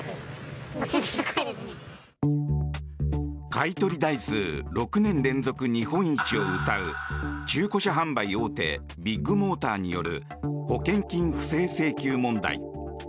買い取り台数６年連続日本一をうたう中古車販売大手ビッグモーターによる保険金不正請求問題。